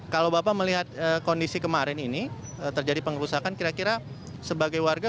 kalau bapak melihat kondisi kemarin ini terjadi pengerusakan kira kira sebagai warga